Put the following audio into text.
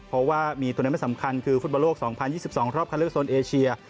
เพราะว่ามีตัวไหนไม่สำคัญคือฟู้ดบ่าโลก๒๐๒๒รอบคำเลือกสนอาเชีย